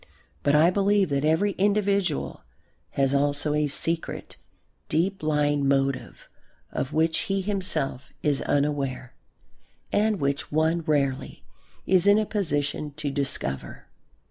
But I believe that every individual has also a secret, deep lying motive of which he himself is unaware and which one rarely is in a position to discover.